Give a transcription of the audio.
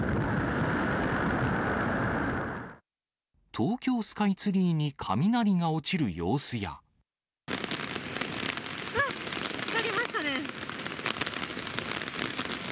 東京スカイツリーに雷が落ちる様あっ、光りましたね。